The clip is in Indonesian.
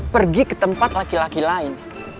pergi ke tempat laki laki lain